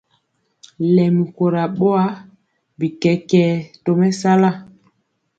Lɛmi kora boa, bi kɛkɛɛ tɔmesala.